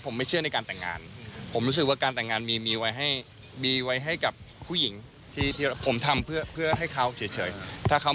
ไปปิดสนามกอล์ฟชื่อดังเพื่อจัดเลี้ยงชุดเจ้าเป่าเจ้าสาว